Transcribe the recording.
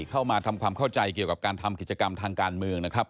เข้ามาทำความเข้าใจเกี่ยวกับการทำกิจกรรมทางการเมืองนะครับ